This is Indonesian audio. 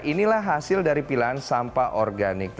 inilah hasil dari pilahan sampah organik